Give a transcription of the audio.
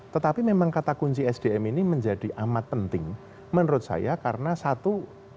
tetapi memang kata kunci sdm ini menjadi amat penting menurut saya karena satu